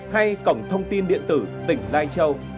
hay cổng thông tin điện tử tỉnh đai châu